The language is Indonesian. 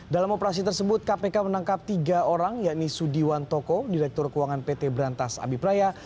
dalam operasi tersebut kpk menangkap tiga orang yakni sudiwan toko direktur keuangan pt berantas abipraya